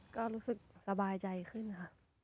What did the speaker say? ก็รู้สึกสบายใจขึ้นค่ะ